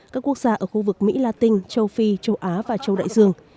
các quốc gia ở khu vực mỹ la tinh châu phi châu á và châu đại dương